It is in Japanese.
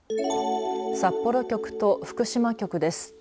札幌局と福島局です。